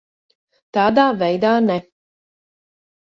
Tādā veidā ne.